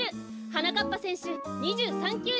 はなかっぱせんしゅ２３